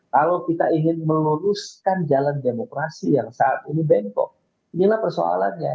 kalau kita ingin meluluskan jalan demokrasi yang saat ini bengkok inilah persoalannya